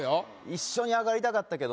一緒に上がりたかったけども。